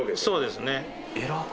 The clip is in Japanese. そうですね。